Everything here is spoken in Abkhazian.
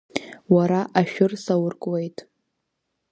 Уара ашәыр сауркуеит!